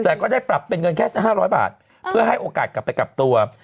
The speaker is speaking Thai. แต่ก็ได้ปรับเป็นเงินแค่๕๐๐บาทเพื่อให้โอกาสกลับไปกลับตัว